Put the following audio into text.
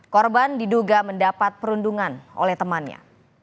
korban diduga mendapat perundungan oleh temannya